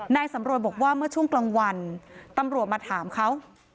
นายสำรวยบอกว่าเมื่อช่วงกลางวันตำรวจมาถามเขา